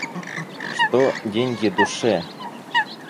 Что деньги душе?